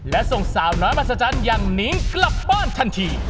และส่ง๓๐๐มาศจรรย์อย่างหนีกลับบ้านทันที